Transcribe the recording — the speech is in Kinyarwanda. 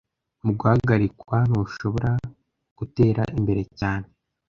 Muguhagarikwa, ntushobora gutera imbere cyane